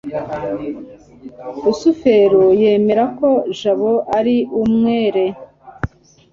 rusufero yemera ko jabo ari umwere